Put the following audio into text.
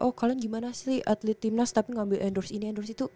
oh kalian gimana sih atlet timnas tapi ngambil endorse ini endorse itu